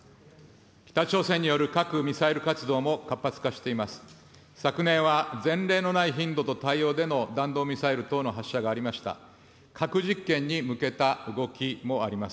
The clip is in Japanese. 北朝鮮による核・ミサイル活動も活発化しています。